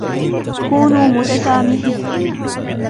كونوا متسامحين.